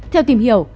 theo tìm hiểu